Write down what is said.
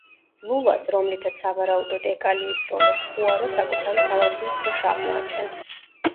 ლულას, რომლითაც სავარაუდოდ ეკალი ისროლეს, პუარო საკუთარი სავარძლის ქვეშ აღმოაჩენს.